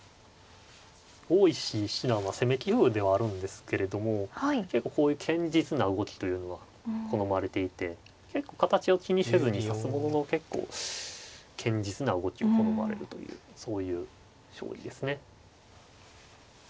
大石七段は攻め棋風ではあるんですけれども結構こういう堅実な動きというのは好まれていて形を気にせずに指すものの結構堅実な動きを好まれるというそういう将棋ですね。